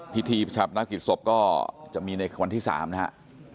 พิธีประชาปนาศกิจศพก็จะมีในวันที่สามนะฮะ